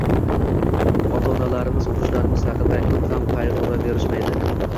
Ota onalarimiz o`qishlarimiz haqida ko`p ham qayg`uraverishmaydi